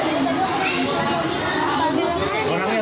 orangnya liat tapi gak